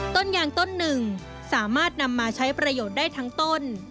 ต้นยางต้นหนึ่งสามารถนำมาใช้ประโยชน์ได้ทั้งต้น